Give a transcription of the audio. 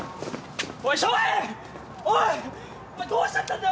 どうしちゃったんだよ！？